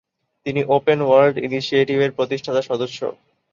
তিনি Open World Initiative এর প্রতিষ্ঠাতা সদস্য।